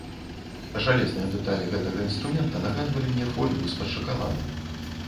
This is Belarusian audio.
Жалезныя дэталі гэтага інструмента нагадвалі мне фольгу з-пад шакаладу.